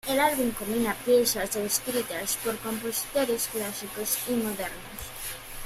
El álbum combina piezas escritas por compositores clásicos y modernos.